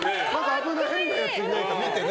危ない変なやついないか見てね。